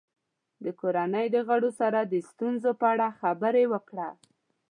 د کورنۍ د غړو سره د ستونزو په اړه خبرې وکړه.